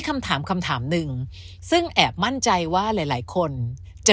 คำถามคำถามหนึ่งซึ่งแอบมั่นใจว่าหลายหลายคนจะ